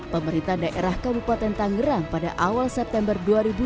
pemerintah daerah kabupaten tangerang pada awal september dua ribu dua puluh